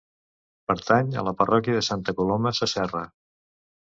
Pertany a la parròquia de Santa Coloma Sasserra.